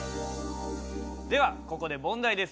ではここで問題です。